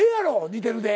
似てるで。